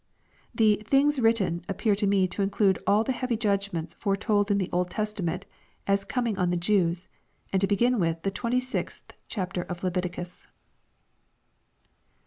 The " things written" appear to me to include all the heavy judg ments foretold in the Old Testament as coming on the Jews, and to begin with the 26th chap, of Leviticus.